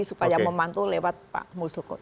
supaya memantul lewat pak muldoko